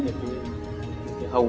và thiết bị trong